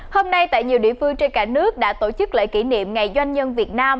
hôm nay tại nhiều địa phương trên cả nước đã tổ chức lễ kỷ niệm ngày doanh nhân việt nam